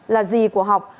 là gì của học